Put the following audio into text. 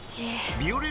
「ビオレ」